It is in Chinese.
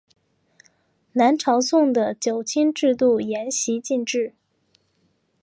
南朝宋的九卿制度沿袭晋制。